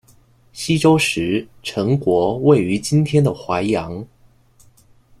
西周时陈国位于今天的淮阳。